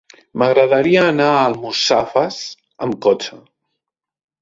M'agradaria anar a Almussafes amb cotxe.